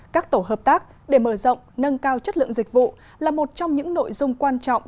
các tổ hợp tác để mở rộng nâng cao chất lượng dịch vụ là một trong những nội dung quan trọng